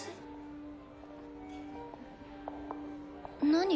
何？